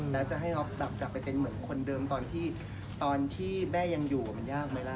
แล้วจะให้อ๊อฟกลับไปเป็นเหมือนคนเดิมตอนที่แม่ยังอยู่มันยากไหมล่ะ